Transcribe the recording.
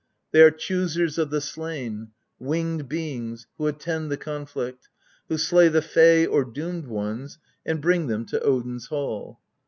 They are Choosers of the Slain, winged beings who attend the conflict, who slay the " fey " or doomed ones, and bring them to Odin's hall.